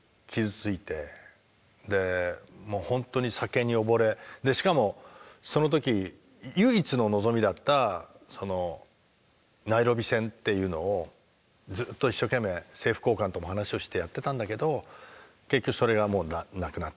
でもうほんとに酒に溺れしかもその時唯一の望みだったナイロビ線っていうのをずっと一生懸命政府高官とも話をしてやってたんだけど結局それがもうなくなったと。